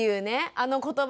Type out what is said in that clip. あの言葉。